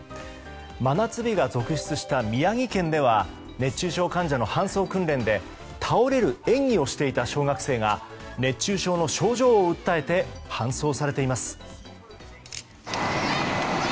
真夏日が続出した宮城県では熱中症患者の搬送訓練で倒れる演技をしていた小学生が熱中症の症状を訴えて搬送されています。